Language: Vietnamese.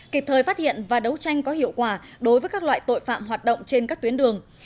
kịp thời phát hiện và đấu tranh có hiệu quả đối với các loại tội phạm hoạt động trên các tuyến đường